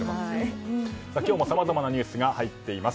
今日もさまざまなニュースが入ってきています。